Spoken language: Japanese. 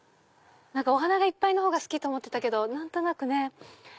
お花がいっぱいの方が好きと思ってたけど何となく。